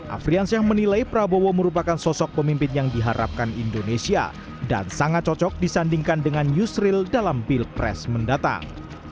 afriansyah menilai prabowo merupakan sosok pemimpin yang diharapkan indonesia dan sangat cocok disandingkan dengan yusril dalam pilpres mendatang